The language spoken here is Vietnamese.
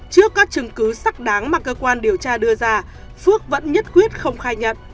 trước các chứng cứ sắc đáng mà cơ quan điều tra đưa ra phước vẫn nhất quyết không khai nhận